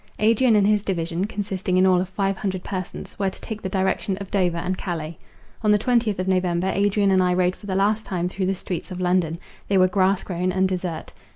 Adrian and his division, consisting in all of five hundred persons, were to take the direction of Dover and Calais. On the twentieth of November, Adrian and I rode for the last time through the streets of London. They were grass grown and desert.